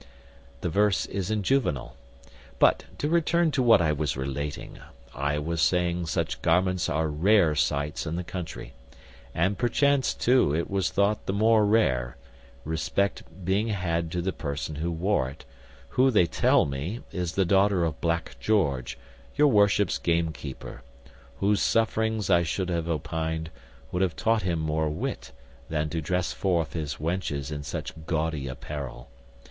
The verse is in Juvenal. But to return to what I was relating. I was saying such garments are rare sights in the country; and perchance, too, it was thought the more rare, respect being had to the person who wore it, who, they tell me, is the daughter of Black George, your worship's gamekeeper, whose sufferings, I should have opined, might have taught him more wit, than to dress forth his wenches in such gaudy apparel.